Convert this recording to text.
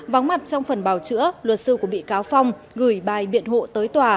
vắng mặt trong phần bào chữa luật sư của bị cáo phong gửi bài biện hộ tới tòa